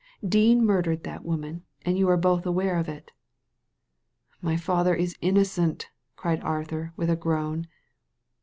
Dean murdered that woman, and you are both aware of it" * My father is innocent !" cried Arthur, with a groan.